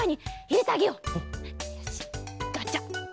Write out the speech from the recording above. よしガチャッ！